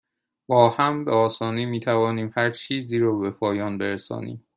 با هم، به آسانی می توانیم هرچیزی را به پایان برسانیم.